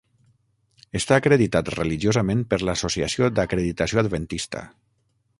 Està acreditat religiosament per l'Associació d'Acreditació Adventista.